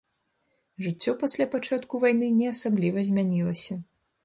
Жыццё пасля пачатку вайны не асабліва змянілася.